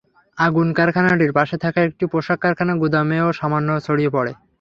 আগুন কারখানাটির পাশে থাকা একটি পোশাক কারখানার গুদামেও সামান্য ছড়িয়ে পড়ে।